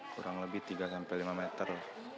kurang lebih tiga sampai lima meter